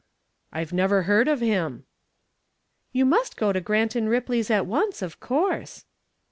"I've never heard of him." "You must go to Grant & Ripley's at once, of course."